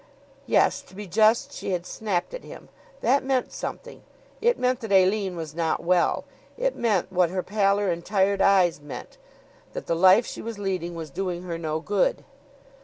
Yes, to be just, she had snapped at him. That meant something. It meant that Aline was not well. It meant what her pallor and tired eyes meant that the life she was leading was doing her no good.